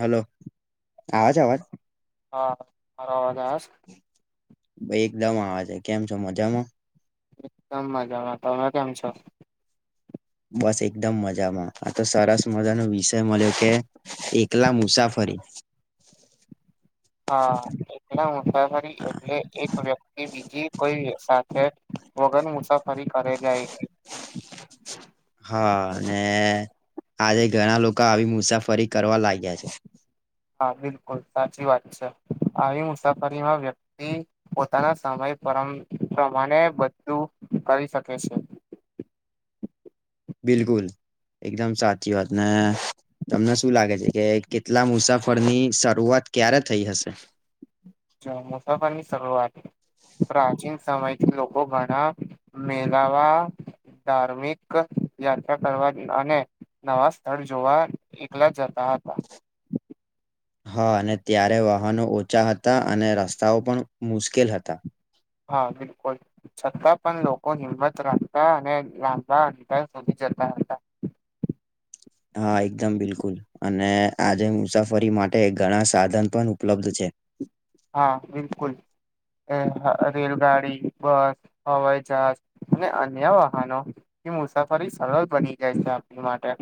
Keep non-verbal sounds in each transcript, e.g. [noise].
Hello આવે છે આવાજ હા મારો અવાજ આવે છે? એકદમ આવે છે કેમ છો મજામાં એકદમ મજામાં તમે કેમ છો? બસ એકદમ મજામાં આ તો સરસ મજાનો વિષય મળ્યો કે એકલા મુસાફરી હા એટલા મુસાફરી એટલે એક વ્યક્તિ બીજી કોઈ સાથે વગર મુસાફરી કરે જાય હા ને આજે ઘણા લોકો આવી મુસાફરી કરવા લાગ્યા છે હા બિલકુલ સાચી વાત છે આવી મુસાફરીમાં વ્યક્ પોતાના સમય પર પ્રમાણે બધું કરી શકે છે બિલકુલ એકદમ સાચી વાત ને તમને શું લાગે છે કે કેટલા મુસાફરની શરૂઆત ક્યારે થઈ હશે મુસાફની શરૂઆત પ્રાચીન સમયથી લોકો ઘણા મેલાવા ધાર્મિક યાત્રા કરવા અને નવા સ્થળ જોવા એકલા જતા હતા હા અને ત્યારે વાહનો ઓછા હતા અને રસ્તાઓ પણ મુશ્કેલ હતા હા બિલકુલ છતાં પણ લોકો હિંમત રાખતા અને રાંધા અાર સુોધી જતા હતા હા એકદમ બિલકુલ અને આજે મુસાફરી માટે ઘણા સાધન પણ ઉપલબ્ધ છે હા બિલકુલ રેલગાડી બસ હવાઈ જહાજ અને અન્ય વાહનો મુસાફરી સરળ બની જાય છે આપણી માટે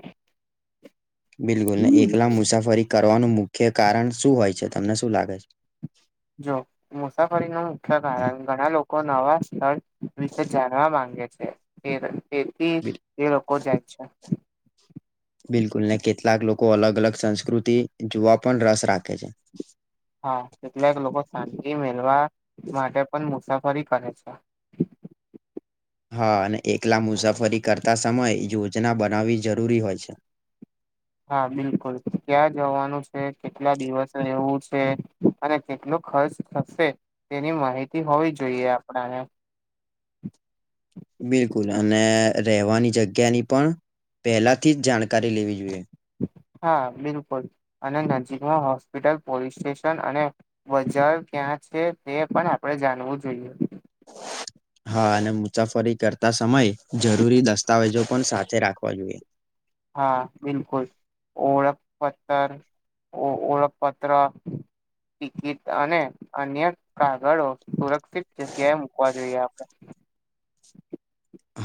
બિલકુલ ને એકલા મુસાફરી કરવાનું મુખ્ય કારણ શું હોય છે તમને શું લાગે છે જો મુસાફરી ન મુખ્ય છે? કારણ ઘણા લોકો લોકો નવા સ્થળ વિશે જાણવા માંગે છે એ એ બિલ એ લોકો જાય છે બિલકુલ ને કેટલાક લોકો અલગ અલગ સંસ્કૃતિ જોવા પણ રસ રાખે છે હા કેટલાક લોકો શાંતિ મેળવા માટે પણ મુસાફરી કરે છે હા અને એકલા મુસાફરી કરતા સમયે યોજના બનાવવી જરૂરી હોય છે હા બિલકુલ ક્યાં જવાનું છે કેટલા દિવસ એવું છે અને કેટલો ખર્ચ થશે તેની માહિતી હોવી જોઈએ આપણાને બિલકુલ અને રહેવાની જગ્યાની પણ પહેલાથી જ જાણકારી લેવી જોઈએ હા બિલકુલ અને નજીકમાં હોસ્પિટલ પોલીસ સ્ટેશન અને બજાર ક્યાં છે તે પણ આપડે જાણવું જોઈએ [inaudible] હા અને મુસાફરી કરતા સમયે જરૂરી દસ્તાવેજો પણ સાથે રાખવા જોઈએ હા બિલકુલ ઓળખ પથર ઓળખપત્ર ટિકિટ અને અન્ય કાગળો સુરક્ષિત જગ્યાએ મુૂકવા જોઈએ આપણે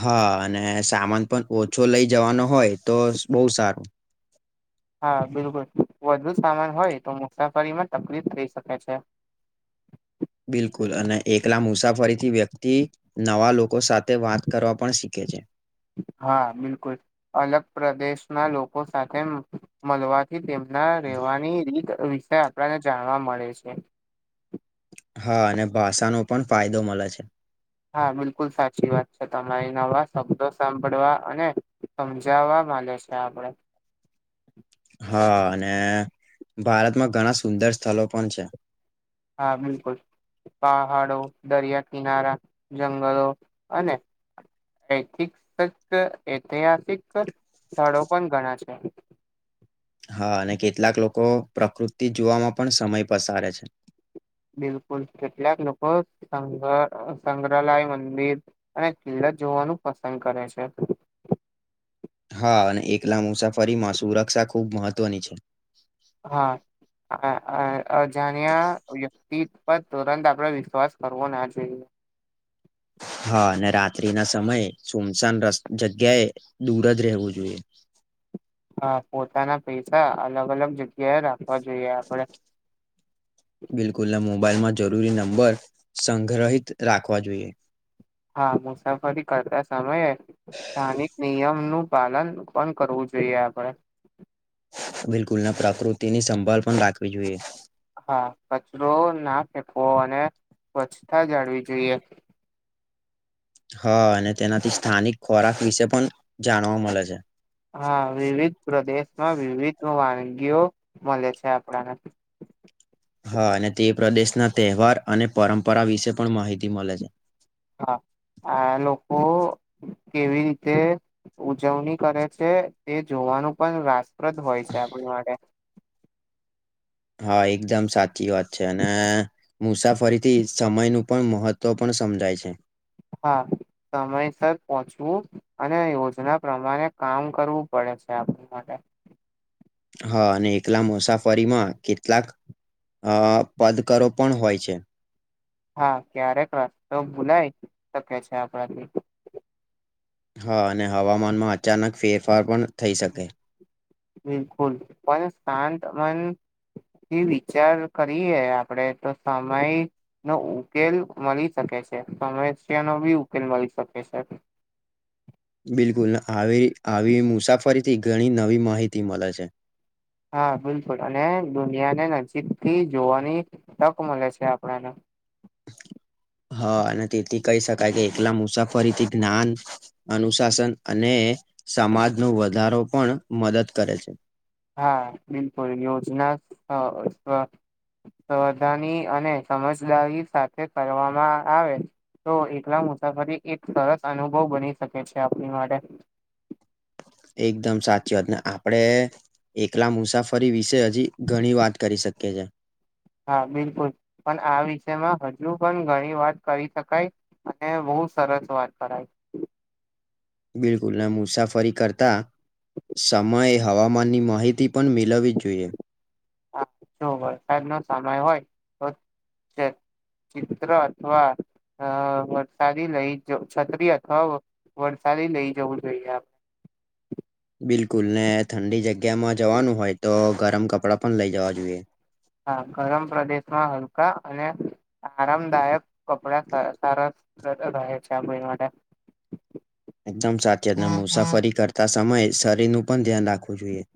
હા અને સામાન પણ ઓછો લઈ જવાનો હોય તો બહુ સારું હા બિલકુલ વધુ સામાન હોય તો મુસાફરીમાં તકલીફ થઈ શકે છે બિલકુલ અને એકલા મુસાફરી થી વ્યક્તિ નવા લોકો સાથે વાત કરવા પણ શીખ ઓકે છે હા બિલકુલ અલગ પ્રદેશના લોકો સાથે મળવાથી તેમ ના રહેેવાની રીત વિશે આપણને જાણવા મળે છે હા અને ભાષાનોો પણ ફાયદો મળે છે હા બિલકુલ સાચી વાત છે તમારી નવા શબ્દો સાંભળવા અને સમજાવવા લ છે આપડ હા અને ભારતમાં ઘણા સુંદર સ્થળ પણ છે હા બિલકુલ પહાડો દરિયા કિનારા જંગલો અને ઐતિિક ઐતિહાસિક સ્થળો પણ ઘણા છે હા અને કેટલાક લોકો પ્રકૃતિ જોવામાં પણ સમય પસારે છે બિલકુલ કેટલાક લોકો સંગ સંગ્રહાલય મંદિર અને કિલ્લાત જોવાનું પસંદ કરે છે હા અને એકલા મુસાફરીમાં સુરક્ષા ખુબ મહત્વની છે હા અજાણ્યા વ્યક્તિ પર તુરંત આપડે વિશ્વાસ કરવો ના જોઈએ હા અને રાત્રિ ના સમયે સુમસાન જગ્યાએ દૂર જ રહેવું જોઈએ હા પોતાના પૈસા અલગ અલગ જગ્યાએ રાખવા જોઈએ આપડે [inaudible] બિલકુલ ના મોબાઈલમાં જરૂરી નંબર સંગ્રહિત રાખવા જોઈએ હા મુસાફરી કરતા સમયે સ્થાનિક નિયમ નું પાલન પણ કરવું જોઈએ આપડે બિલકુલના પ્રકૃતિની સંભાળ પણ રાખવી જોઈએ હા કચરો ના ફેંકવો અને સ્વચ્છતા જાળવી જોઈએ હા અને તેનાથી સ્થાનિક ખોરાક વિશે પણ જાણવા મળે છે હા વિવિધ પ્રદેશમાં વિવિધ વાનગીઓ મળે છે આપણાને હા અને તે પ્રદેશના તહેવાર અને પરંપરા વિશે પણ માહિતી મળે છે હા આ લોકો કેવી રીતે ઉજવણી કરે છે તે જોવાનું પણ રાસપ્રદ હોય છે આપણી માટે હા એકદમ સાચી વાત છે અને મુસાફરી થી સમય નું પણ મહત્વ પણ સમજાય છે હા સમયસર પહોંચવું અને યોજના પ્રમાણે કામ કરવું પડે છે આપ માટે હા અને એકલા મુસાફરીમાં કેટલાક અ પદકરો પણ હોય છે હા ક્યારેક રસ્તો ભૂલાય શકે છે આપણાથી હા અને હવામાનમાં અચાનક ફેરફાર પણ થઈ શકે બિલકુલ પણ શાંત મન એ વિચાર કરીએ આપડે તો સમય નો ઉકેલ મળી શકે છે સમસ્યા નો બી ઉકેલ મળી શકે છે બિલકુલ આવી આવી મુસાફરીથી ઘણી નવી માહિતી મળે છે હા બિલકુલ અને દુનિયાને નજીકથી જોવાની તક મળે છે આપણને હા અને તેથી કહી શકાય કે એકલા મુસાફરીથી જ્ઞાન અનુશાસન અને સમાજનો વધારો પણ મદદ કરે છે હા બિલકુલ યોજના સાવધાની અને સમજદારી સાથે કરવામાં આવે તો એકલા મુસાફરી એક સરસ અનુભવ બની શકે છે આપણી માટે એકદમ સાચી વાત ને આપડે એકલા મુસાફરી વિશે હજી ઘણી વાત કરી શકીએ છે હા બિલકુલ પણ આ વિષયમાં હજુ પણ ઘણી વાત કરી શકાય અને બહુ સરસ વાત કરાય બિલકુલ ના મુસાફરી કરતા સમયે હવામાનની માહિતી પણ મેલાવવી જોઈએ હા વરસાદ નો સમય હોય તો ચિત્ર અથવા અ વરસાદી લઈ છત્રી અથવા વરસાદી લઈ જવું જોઈએ આપ બિલકુલ ને ઠંડી જગ્યામાં જવાનું હોય તો ગરમ કપડાં પણ લઇ જવા જોઈએ હા ગરમ પ્રદેશમાં હલકા અને આરામદાયક કપડા સરસ રહે છે આપડા માટે એકદમ સાચી વાત મું સફરી કરતા સમયે શરીર નું પણ ધ્યાન રાખવું જોઈએ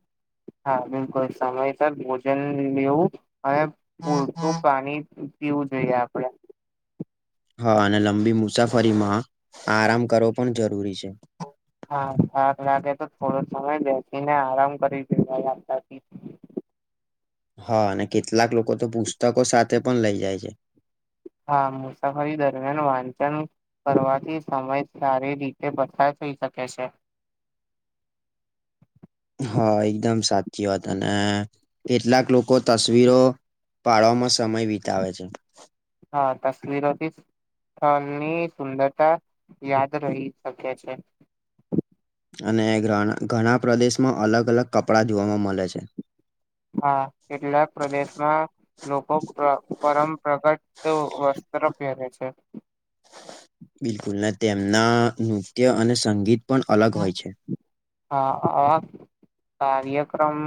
હા બિલકુલ સમયસર ભોજન લેવું અને પૂરતું પાણી પીવું જોઈએ આપડે હા અને લંબી મુસાફરીમાં આરામ કરવો પણ જરૂરી છે હા થાક લાગે તો થોડો સમય બેસીને આરામ કરી દેવાતા હા અને કેટલાક લોકો તો પુસ્તકો સાથે પણ લઇ જાય છે હા મુસાફરી દરમિયાન વાંચન કરવાથી સમય સારી રીતે બાય થઈ શકે છે હા એકદમ સાચી વાત અને કેટલાક લોકો તસવીરો પાડવામાં સમય વિતાવે છે હા તસવીરોથી સ્થળની સુંદરતા યાદ રહી શખ્યા છે અને ઘણા પ્રદેશમાં અલગ અલગ કપડાં ધવાવામાં મળે છે હા કેટલાક પ્રદેશમાં લોકો પરંપરાગત વસ્ત્ર પહેરે છે બિલકુલ તેમના નૃત્ય અને સંગીત પણ અલગ હોય છે હા આવા કાર્યક્રમ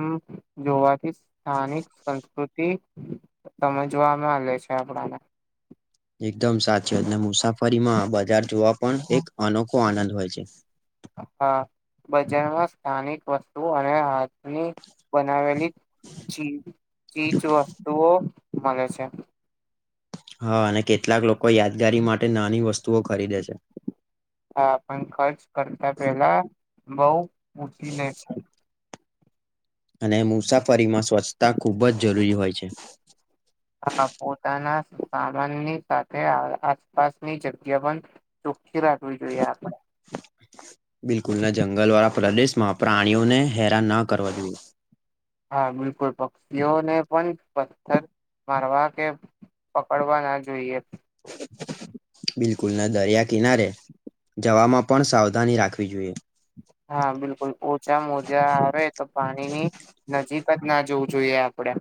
જોવાથી સ્થાનિક સંસ્કૃતિ સમજવાવામાં લે છે આપડાને એકદમ સાચીત ને મુસાફરીમાં બજાર જોવા પણ એક અનોખો આનંદ હોય છે હા બજારમાં સ્થાનિક વસ્તુઓ અને હાથની બનાવેલી ચ ચીજ વસ્તુઓ મળે છે હા અને કેટલાક લોકો યાદગારી માટે નાની વસ્તુઓ ખરીદે છે હા પણ ખર્ચ કરતા પેલા બઉ ઉછી લે છે અને મુસાફરીમાં સ્વચ્છતા ખુબ જ જરૂરી હોય છે પોતાના સામાનની સાથે આસપાસની જગ્યા પણ ચોખ્ખી રાખવી જોઈએ આપણે બિલકુલના જંગલવાળા પ્રદેશમાં પ્રાણીઓને હેરાન ન કરવા જોઈએ હા બિલકુલ પક્ષીઓને પણ પથ્થર મારવા કે પકડવા ના જોઈએ બિલકુલ ના દરિયા કિનારે જવામાં પણ સાવધાની રાખવી જોઈએ હા બિલકુલ ઓછા મોજા આવે તો પાણીની નજીક જ ના જોવું જોઈએ આપડે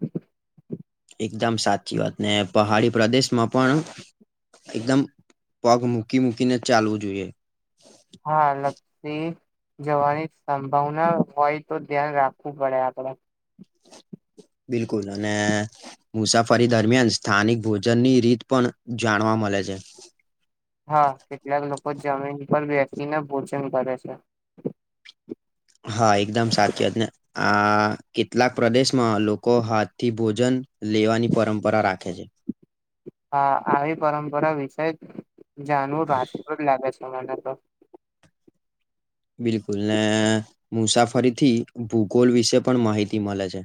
એકદમ સાચી વાત ને પહાડી પ્રદેશમાં પણ એકદમ પગ મૂકી મૂકીને જ ચાલવું જોઈએ હા લપસી જવાની સંભાવના હોય તો ધ્યાન રાખવું પડે આપડ બિલકુલ અને મુસાફરી દરમિયાન સ્થાનિક ભોજનની રીત પણ જાણવા મળે છે હા કેટલાક લોકો જમીન પર બેસીને ભોજન કરે છે હા એકદમ સાચી જ ને આ કેટલાક પ્રદેશમાં લોકો હાથ થી ભોજન લેવાની પરંપરા રાખે છે હા આવી પરંપરા વિશે જાણવું રાસ્તું જ લાગે છે મને તો બિલકુલ ને મુસાફરી થી ભૂગોલ વિશે પણ માહિતી મળે છે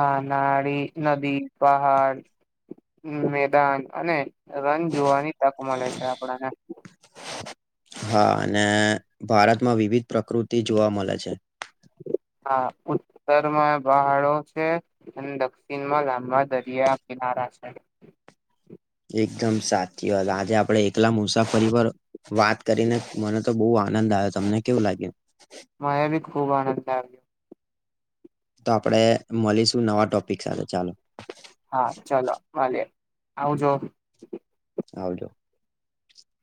હા નાડીી નદી પહાડ મેદાન અને રન જોવાની તક મળે છે આપણને હા અને ભારતમાં વિવિધ પ્રકૃતિ જોવા મળે છે હા ઉત્તરમાં બહાડો છે અને દક્ષિણ માં લાંબા દરિયા કિનારા છે એકદમ સાચી વાત આજે આપડે એકલા મુસા ફરીવાર વાત કરીને મને તો બહુ આનંદ આવ્યો તમને કેવું લાગ્યું માયા બી ખૂબ આનંદ આવ્યો તો આપડે મળીશું નવા ટોપિક સાથે ચાલો હા ચલોો વાલી આવજો આવજો